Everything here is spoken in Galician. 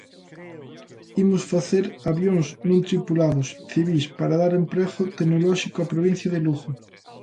Imos facer avións non tripulados, civís, para dar emprego tecnolóxico á provincia de Lugo.